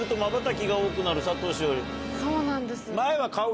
そうなんです。